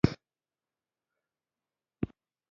هو ومې لېد.